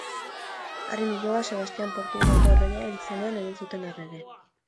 Haren iloba Sebastian Portugalgo erregea hil zenean egin zuten errege.